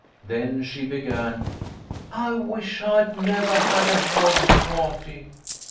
Then she began :" I wish I'd nevah had a house party.